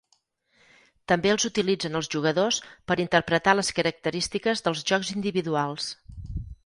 També els utilitzen els jugadors per interpretar les característiques dels jocs individuals.